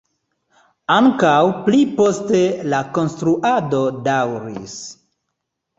Ankaŭ pli poste la konstruado daŭris.